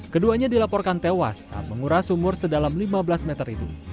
keduanya dilaporkan tewas saat menguras sumur sedalam lima belas meter itu